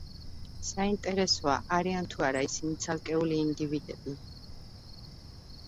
საინტერესოა, არიან თუ არა ისინი ცალკეული ინდივიდები?